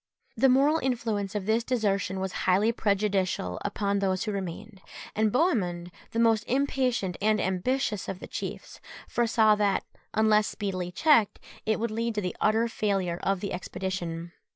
The moral influence of this desertion was highly prejudicial upon those who remained; and Bohemund, the most impatient and ambitious of the chiefs, foresaw that, unless speedily checked, it would lead to the utter failure of the expedition.